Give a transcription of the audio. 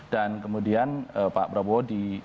dan kemudian pak prabowo di